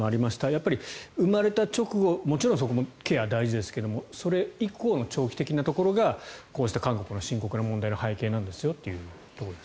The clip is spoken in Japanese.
やっぱり生まれた直後もちろんそこもケアは大事ですがそれ以降の長期的なところが韓国の深刻な問題の背景なんですよというところです。